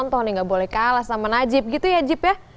contohnya gak boleh kalah sama najib gitu ya jib ya